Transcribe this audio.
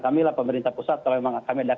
kami lah pemerintah pusat kalau memang kami ada